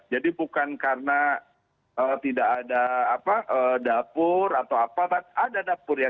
jadi bukan karena tidak ada dapur atau apa